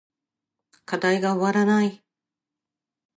課題が終わらない